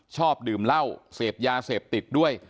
ชอบดื่มเหล้าเสพยาเสพติดด้วย